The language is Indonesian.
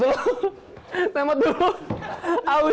bang temot dulu